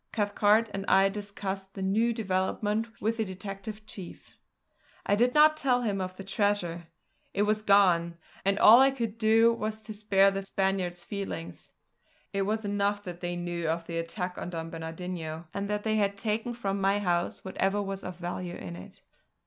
Cathcart and I discussed the new development with the detective chief. I did not tell him of the treasure. It was gone; and all I could do was to spare the Spaniard's feelings. It was enough that they knew of the attack on Don Bernardino, and that they had taken from my house whatever was of value in it.